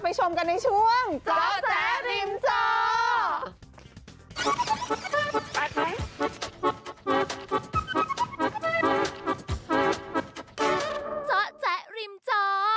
ไปชมกันในช่วงจ๊อจ๊ะริมจ้อ